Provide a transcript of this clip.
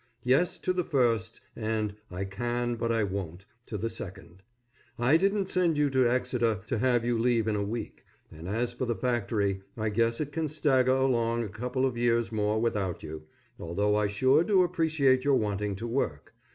"Yes," to the first, and, "I can but I won't" to the second. I didn't send you to Exeter to have you leave in a week; and as for the factory, I guess it can stagger along a couple of years more without you, although I sure do appreciate your wanting to work.